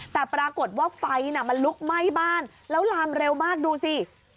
แต่ปรากฏว่าไฟมันลุกไหม้บ้านแล้วลามเร็วมากดูสิ